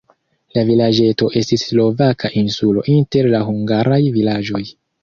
La vilaĝeto estis slovaka insulo inter la hungaraj vilaĝoj.